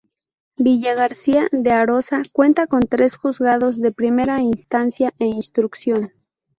Villagarcía de Arosa cuenta con tres Juzgados de Primera Instancia e Instrucción.